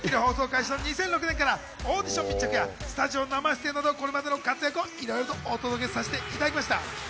『スッキリ』放送開始の２００６年からオーディション密着やスタジオ生出演など、これまでの活躍をお届けさせていただきました。